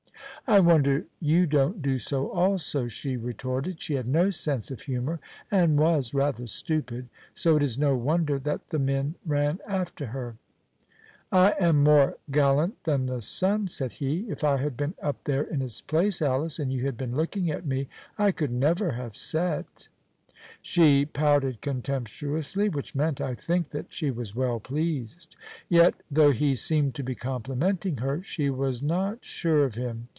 "I wonder you don't do so also," she retorted. She had no sense of humour, and was rather stupid; so it is no wonder that the men ran after her. "I am more gallant than the sun," said he. "If I had been up there in its place, Alice, and you had been looking at me, I could never have set." She pouted contemptuously, which meant, I think, that she was well pleased. Yet, though he seemed to be complimenting her, she was not sure of him.